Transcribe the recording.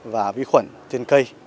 và vi khuẩn trên cây